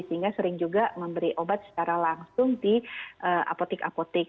sehingga sering juga memberi obat secara langsung di apotek apotek